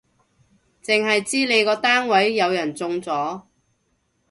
剩係知你個單位有人中咗